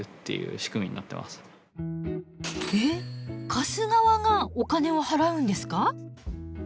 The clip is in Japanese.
貸す側がお金を払うんですか？